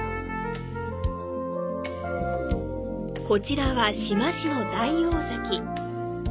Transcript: こちらは志摩市の大王崎。